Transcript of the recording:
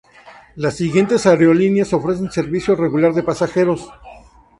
Las siguientes aerolíneas ofrecen servicio regular de pasajeros.